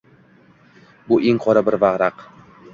Bu eng qaro bir varaq.